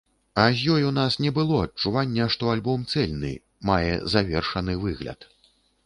А з ёй у нас не было адчування, што альбом цэльны, мае завершаны выгляд.